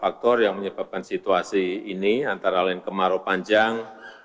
faktor yang menyebabkan situasi ini antara lain kemarau panjang